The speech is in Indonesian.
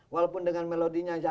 walaupun dengan melodinya yang sama